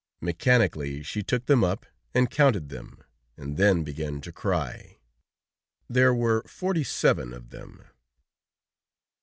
Mechanically she took them up and counted them, and then began to cry. There were forty seven of them.